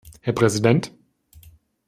Her Präsident!